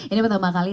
ini pertama kali